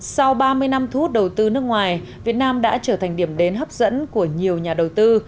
sau ba mươi năm thu hút đầu tư nước ngoài việt nam đã trở thành điểm đến hấp dẫn của nhiều nhà đầu tư